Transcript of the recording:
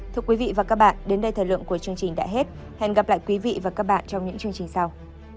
thưa quý vị và các bạn đến đây thời lượng của chương trình đã hết hẹn gặp lại quý vị và các bạn trong những chương trình sau